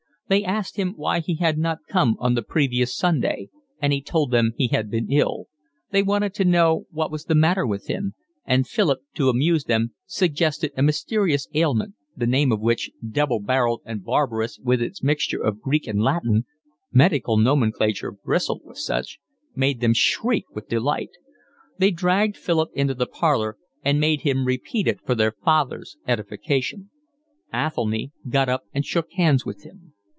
They asked him why he had not come on the previous Sunday, and he told them he had been ill; they wanted to know what was the matter with him; and Philip, to amuse them, suggested a mysterious ailment, the name of which, double barrelled and barbarous with its mixture of Greek and Latin (medical nomenclature bristled with such), made them shriek with delight. They dragged Philip into the parlour and made him repeat it for their father's edification. Athelny got up and shook hands with him.